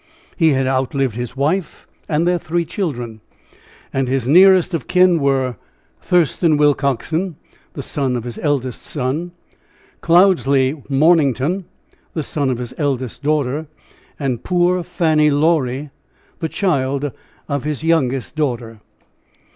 He had outlived his wife and their three children; and his nearest of kin were Thurston Willcoxen, the son of his eldest son; Cloudesley Mornington, the son of his eldest daughter, and poor Fanny Laurie, the child of his youngest daughter.